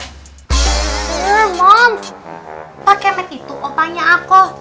eh moms pak kemet itu opanya aku